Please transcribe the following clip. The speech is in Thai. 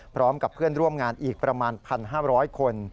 พร้อมกับเพื่อนร่วมงานอีกประมาณ๑๕๐๐คน